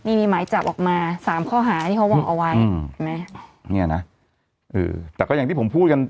นี่มีหมายจับออกมาสามข้อหาที่เขาวางเอาไว้อืมเห็นไหมเนี่ยนะเออแต่ก็อย่างที่ผมพูดกัน